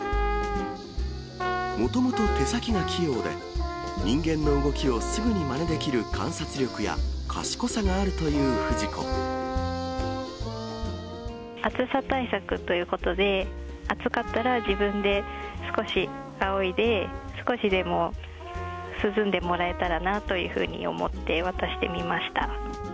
もともと手先が器用で、人間の動きをすぐにまねできる観察力や、暑さ対策ということで、暑かったら自分で少しあおいで、少しでも涼んでもらえたらなというふうに思って、渡してみました。